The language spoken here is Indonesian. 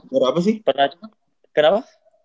gora apa sih kenapa